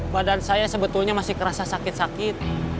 badan saya sebetulnya masih kerasa sakit sakit